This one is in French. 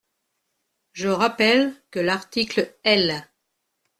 Je rappelle que l’article L.